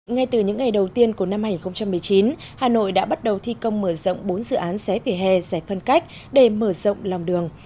ngay từ những ngày đầu tiên của năm hai nghìn một mươi chín hà nội đã bắt đầu thi công mở rộng bốn dự án xé vỉa hè giải phân cách để mở rộng lòng đường